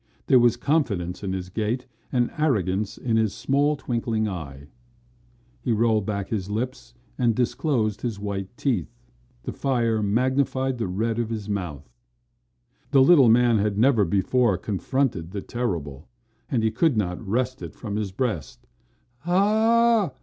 There was confidence in his gait and arrogance in his small, twinkling eye. He rolled back his lips and disclosed his white teeth. The fire magnified the red of his mouth. The little man had never before confronted the terrible and he could not wrest it from his breast. "Hah!"